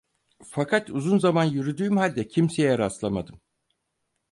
Fakat uzun zaman yürüdüğüm halde kimseye rastlamadım.